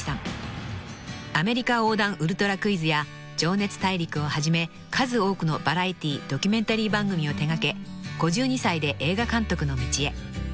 ［『アメリカ横断ウルトラクイズ』や『情熱大陸』をはじめ数多くのバラエティードキュメンタリー番組を手掛け５２歳で映画監督の道へ］